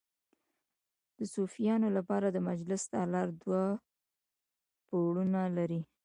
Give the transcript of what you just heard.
د صوفیانو لپاره د مجلس تالار دوه پوړونه لري.